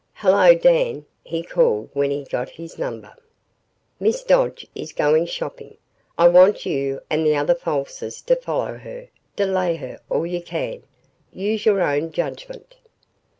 "Hello, Dan," he called when he got his number. "Miss Dodge is going shopping. I want you and the other Falsers to follow her delay her all you can. Use your own judgment."